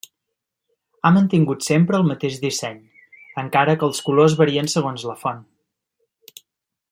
Ha mantingut sempre el mateix disseny, encara que els colors varien segons la font.